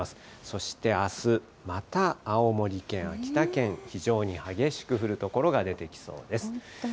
そしてあす、また、青森県、秋田県、非常に激しく降る所が出てきそうです。